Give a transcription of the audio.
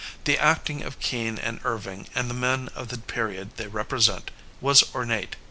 The acting of Kean and Irving and the men of the period they represent, was ornate.